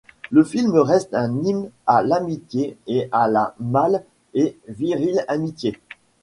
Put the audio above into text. Le film reste un hymne à l'amitié et à la mâle et virile amitié.